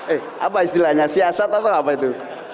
eh apa istilahnya siasat atau apa itu